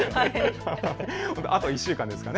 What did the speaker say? あと１週間ですから。